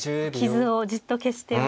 傷をじっと消しておいて。